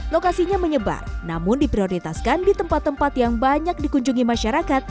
lokasinya menyebar namun diprioritaskan di tempat tempat yang banyak dikunjungi masyarakat